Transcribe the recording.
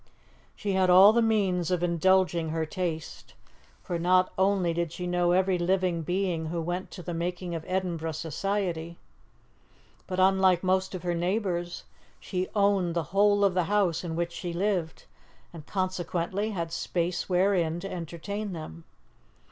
She had all the means of indulging her taste, for not only did she know every living being who went to the making of Edinburgh society, but, unlike most of her neighbours, she owned the whole of the house in which she lived, and, consequently, had space wherein to entertain them.